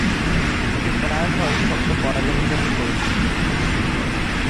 এটি প্রায়শই শক্ত কয়লা হিসাবে পরিচিত।